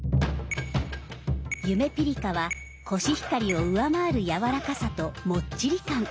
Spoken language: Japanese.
ゆめぴりかはコシヒカリを上回るやわらかさともっちり感。